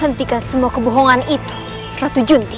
hentikan semua kebohongan itu ratu junti